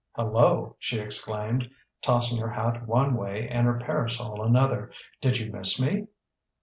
"Hello!" she exclaimed, tossing her hat one way and her parasol another. "Did you miss me?"